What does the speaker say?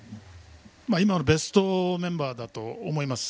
今のベストメンバーだと思います。